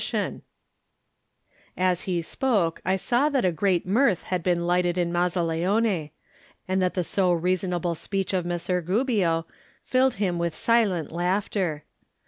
54 Digitized by Google THE NINTH MAN As he spoke I saw that a great mirth had been Kghted in Mazzaleone, and that the so reasonable speech of Messer Gubbio filled him with silent laughter.